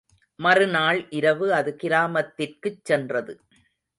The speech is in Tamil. மறு நாள் இரவு அது கிராமத்திற்குச் சென்றது.